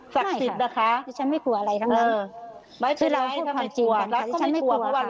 ศักดิ์สิทธิ์นะคะฉันไม่กลัวอะไรทั้งนั้นไม่เป็นไรถ้าไม่กลัว